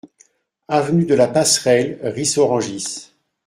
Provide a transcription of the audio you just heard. Avenue de la Passerelle, Ris-Orangis